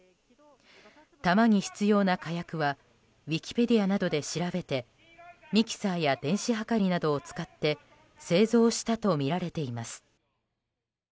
弾に必要な火薬はウィキペディアなどで調べてミキサーや電子はかりなどを使って製造したとみられています。